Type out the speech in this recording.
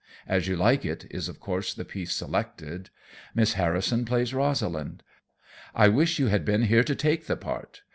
'As You Like It' is of course the piece selected. Miss Harrison plays Rosalind. I wish you had been here to take the part.